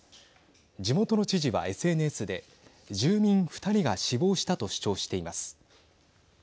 地元の知事はＳＮＳで住民２人が死亡したと主張しています。